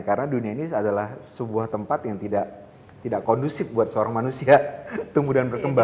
karena dunia ini adalah sebuah tempat yang tidak kondusif buat seorang manusia tumbuh dan berkembang